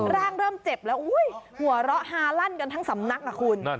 เริ่มเจ็บแล้วหัวเราะฮาลั่นกันทั้งสำนักอ่ะคุณ